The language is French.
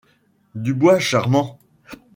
Du bois charmant